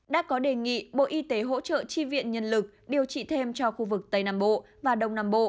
đã có đề nghị bộ y tế hỗ trợ chi viện nhân lực điều trị thêm cho khu vực tây nam bộ và đông nam bộ